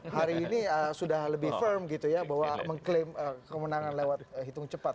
hari ini sudah lebih firm mengklaim kemenangan lewat hitung cepat